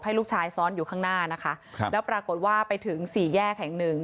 ลูกชายซ้อนอยู่ข้างหน้านะคะครับแล้วปรากฏว่าไปถึงสี่แยกแห่งหนึ่ง